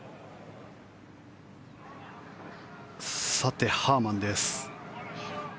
さて、ハーマンです。